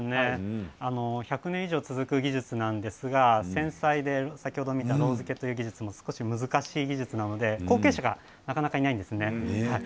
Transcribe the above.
１００年以上続く技術なんですが、繊細でろう付けという技術も少し難しい技術で後継者がなかなかいないんです。